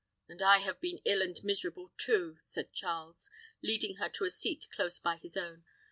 "And I have been ill and miserable too," said Charles, leading her to a seat close by his own.